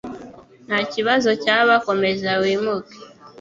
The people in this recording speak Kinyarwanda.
Ntakibazo cyaba, komeza wimuke.